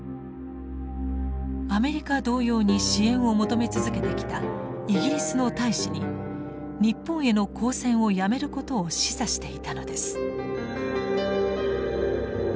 アメリカ同様に支援を求め続けてきたイギリスの大使に日本への抗戦をやめることを示唆していたのです。